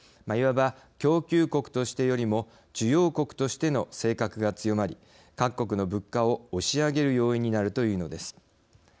いわば供給国としてよりも需要国としての性格が強まり各国の物価を押し上げる要因になるというのです。